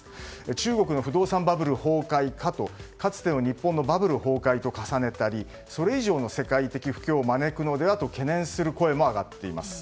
中国の不動産バブル崩壊かと日本のかつてのバブル崩壊と重ねたりそれ以上の世界的不況を懸念する声も上がっています。